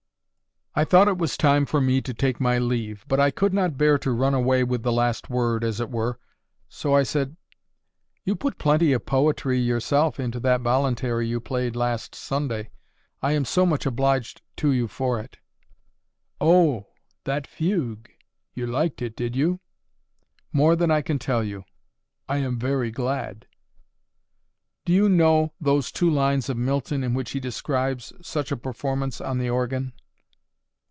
I thought it was time for me to take my leave. But I could not bear to run away with the last word, as it were: so I said, "You put plenty of poetry yourself into that voluntary you played last Sunday. I am so much obliged to you for it!" "Oh! that fugue. You liked it, did you?" "More than I can tell you." "I am very glad." "Do you know those two lines of Milton in which he describes such a performance on the organ?"